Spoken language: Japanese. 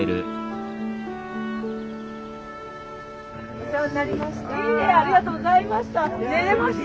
お世話になりました。